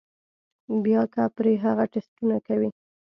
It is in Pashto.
بيا کۀ پرې هغه ټسټونه کوي